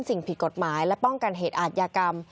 สิ่งผิดกฎหมายและป้องกันเหตุอาทยากรรม